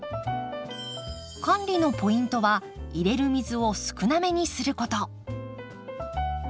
管理のポイントは入れる水を少なめにすること。